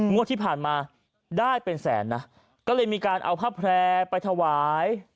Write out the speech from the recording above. งวดที่ผ่านมาได้เป็นแสนนะก็เลยมีการเอาผ้าแพร่ไปถวาย